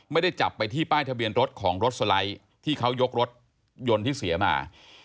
ไม่ได้จับไปที่ป้ายทะเบียนรถของรถสไลด์ที่เขายกรถยนต์ที่เสียมา